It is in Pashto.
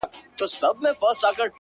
نه مي قهوې بې خوبي يو وړه نه ترخو شرابو-